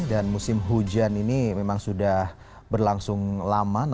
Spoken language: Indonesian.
dan musim hujan ini memang sudah berlangsung lama